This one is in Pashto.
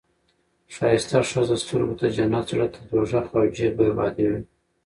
ښایسته ښځه سترګو ته جنت، زړه ته دوزخ او جیب بربادي وي.